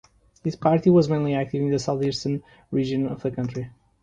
His party was mainly active in the southeastern region of the country.